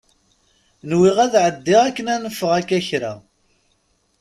Nwiɣ ad ɛeddiɣ akken ad neffeɣ akka kra.